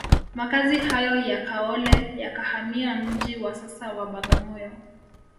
Makazi hayo ya Kaole yakahamia mji wa sasa wa Bagamoyo